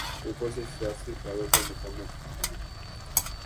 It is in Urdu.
اوپر سے سیاسی قیادت کا مکمل فقدان۔